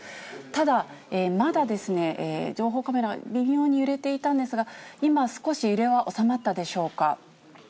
ただ、まだですね、情報カメラ、微妙に揺れていたんですが、今、少し揺れは収まったでしょうか。